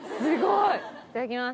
いただきます。